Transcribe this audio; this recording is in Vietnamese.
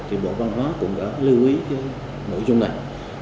thì bộ văn hóa cũng đã lưu ý cái nội dung này